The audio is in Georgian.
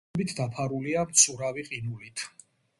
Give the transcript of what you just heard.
ზამთრობით დაფარულია მცურავი ყინულით.